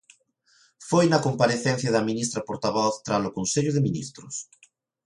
Foi na comparecencia da ministra portavoz tralo consello de Ministros.